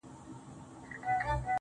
تیاره وریځ ده، باد دی باران دی.